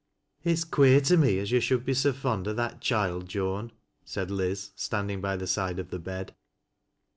" It's queer to me as yo' should be so fond o' that choild, Joan," said Liz, standing by the side of the bed.